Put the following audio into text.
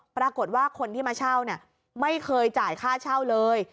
ปรากฏว่าคนที่มาเช่าเนี่ยไม่เคยจ่ายค่าเช่าเลย